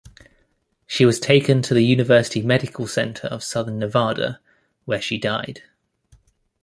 She was taken to the University Medical Center of Southern Nevada where she died.